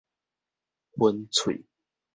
薰喙